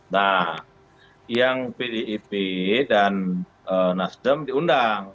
nah yang pdip dan nasdem diundang